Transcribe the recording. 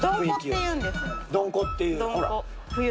どんこっていうほら。